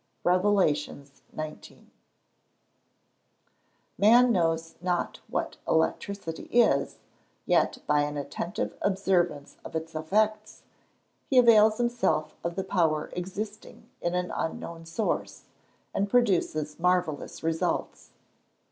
REV. XIX.] Man knows not what electricity is; yet, by an attentive observance of its effects, he avails himself of the power existing in an unknown source, and produces marvellous results.